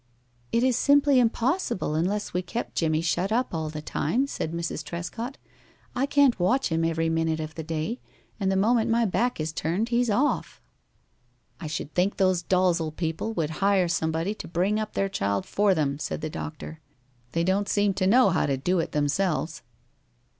"It is simply impossible, unless we kept Jimmie shut up all the time," said Mrs. Trescott. "I can't watch him every minute of the day, and the moment my back is turned, he's off." "I should think those Dalzel people would hire somebody to bring up their child for them," said the doctor. "They don't seem to know how to do it themselves."